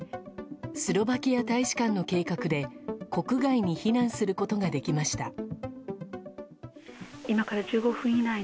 スロバキア大使館の計画で国外に避難することができました。